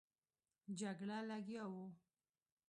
جګړه لګیا وو.